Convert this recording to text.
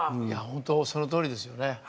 ホントそのとおりですよね。